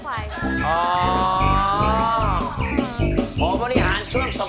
เพราะบริหารเชื่องสก้อง